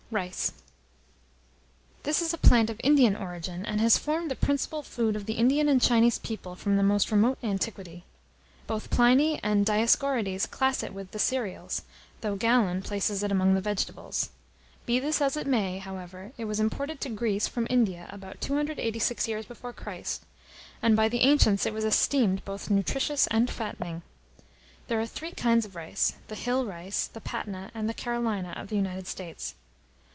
] RICE. This is a plant of Indian origin, and has formed the principal food of the Indian and Chinese people from the most remote antiquity. Both Pliny and Dioscorides class it with the cereals, though Galen places it among the vegetables. Be this as it may, however, it was imported to Greece, from India, about 286 years before Christ, and by the ancients it was esteemed both nutritious and fattening. There are three kinds of rice, the Hill rice, the Patna, and the Carolina, of the United States.